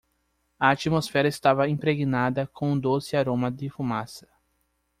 A atmosfera estava impregnada com o doce aroma de fumaça.